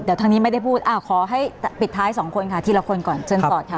เดี๋ยวทางนี้ไม่ได้พูดขอให้ปิดท้ายสองคนค่ะทีละคนก่อนเชิญสอดค่ะ